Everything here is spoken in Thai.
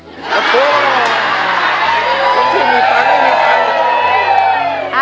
คนที่มีตังค์ไม่มีตังค์